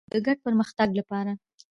او د ګډ پرمختګ لپاره.